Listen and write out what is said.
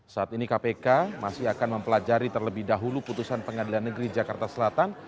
saat ini kpk masih akan mempelajari terlebih dahulu putusan pengadilan negeri jakarta selatan